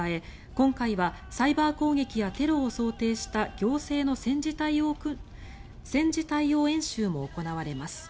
今回はサイバー攻撃やテロを想定した行政の戦時対応演習も行われます。